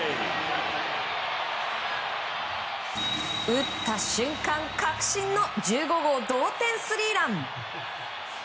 打った瞬間確信の１５号同点スリーラン！